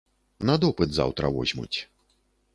На допыт заўтра возьмуць.